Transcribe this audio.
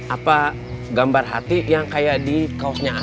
apa gambar hati yang kayak di kaosnya